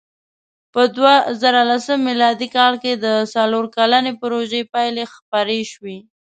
په دوهزرهلسم مېلادي کال کې د څلور کلنې پروژې پایلې خپرې شوې.